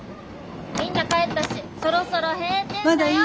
みんな帰ったしそろそろ閉店だよ！